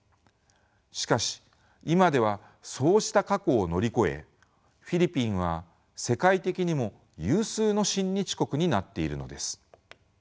しかし今ではそうした過去を乗り越えフィリピンは世界的にも有数の親日国になっているのです。